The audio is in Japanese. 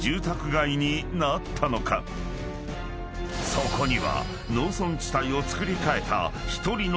［そこには］